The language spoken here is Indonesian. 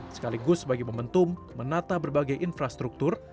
sekaligus sebagai momentum menata berbagai infrastruktur